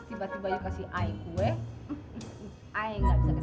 tiba tiba lo kasih air kue air nggak bisa kasih